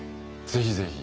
ぜひぜひ。